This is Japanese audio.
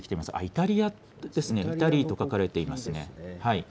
イタリアですね、イタリーと書かれていますね。